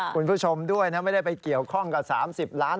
คุณผู้ชมด้วยไม่ได้ไปเกี่ยวข้องกับ๓๐ล้านอะไรของเขาเลย